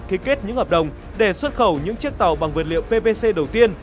thiết kết những hợp đồng để xuất khẩu những chiếc tàu bằng vật liệu ppc đầu tiên